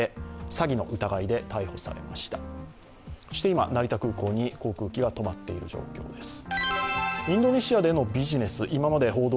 今、成田空港に航空機が止まっている状況です。